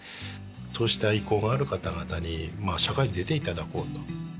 そうした意向がある方々に社会に出ていただこうと。